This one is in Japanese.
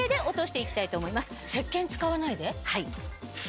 はい。